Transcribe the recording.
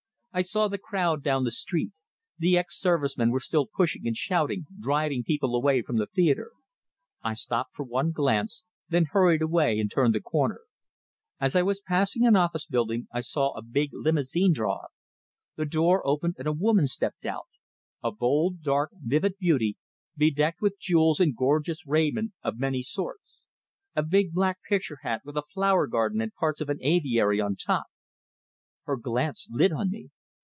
I saw the crowd down the street; the ex service men were still pushing and shouting, driving people away from the theatre. I stopped for one glance, then hurried away and turned the corner. As I was passing an office building, I saw a big limousine draw up. The door opened, and a woman stepped out: a bold, dark, vivid beauty, bedecked with jewels and gorgeous raiment of many sorts; a big black picture hat, with a flower garden and parts of an aviary on top Her glance lit on me.